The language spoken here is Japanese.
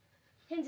返事！